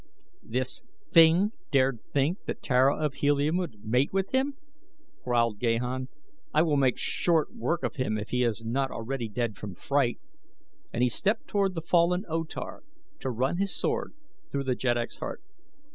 "This thing dared think that Tara of Helium would mate with him?" growled Gahan. "I will make short work of him if he is not already dead from fright," and he stepped toward the fallen O Tar to run his sword through the jeddak's heart.